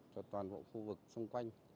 cho toàn bộ khu vực xung quanh